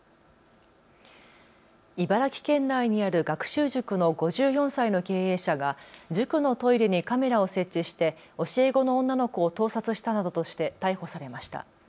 茨城県内にある学習塾の５４歳の経営者が塾のトイレにカメラを設置して教え子の女の子を盗撮したなどとして逮捕されました。